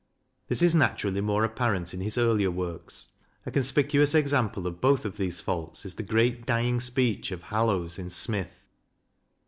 This is naturally more appar ent in his earlier works: a conspicuous example of both of these faults is the great dying speech of Hallowes in " Smith."